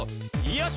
よし！